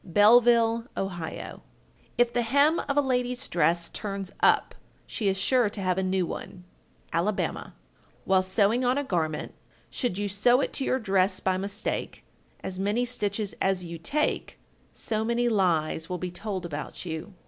Belleville, Ohio. 1386. If the hem of a lady's dress turns up, she is sure to have a new one. Alabama. 1387. While sewing on a garment, should you sew it to your dress by mistake, as many stitches as you take, so many lies will be told about you.